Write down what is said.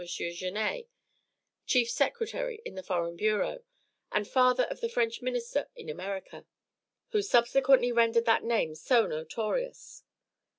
Genet, chief secretary in the foreign bureau, and father of the French minister in America, who subsequently rendered that name so notorious.